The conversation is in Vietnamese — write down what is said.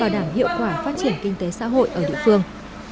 đạo lực phong cách hồ chí minh